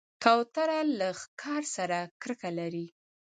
کوتره له ښکار سره کرکه لري.